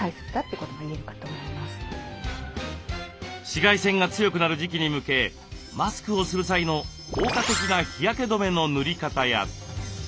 紫外線が強くなる時期に向けマスクをする際の効果的な日焼け止めの塗り方や。